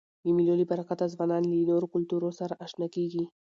د مېلو له برکته ځوانان له نورو کلتورو سره اشنا کيږي.